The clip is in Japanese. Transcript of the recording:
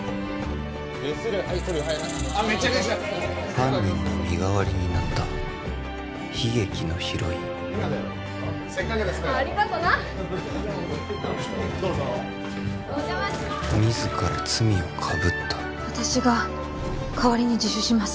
犯人の身代わりになった悲劇のヒロインありがとな自ら罪をかぶった私が代わりに自首します